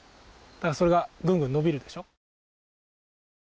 だからそれがグングン伸びるでしょ。